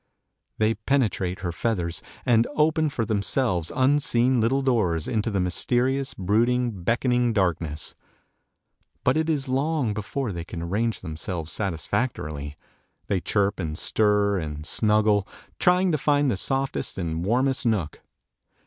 They penetrate her feathers, and open for themselves unseen little doors into the mysterious, brooding, beckoning darkness. But it is long before they can arrange themselves satisfactorily. They chirp, and stir, and snuggle, trying to find the softest and warmest nook.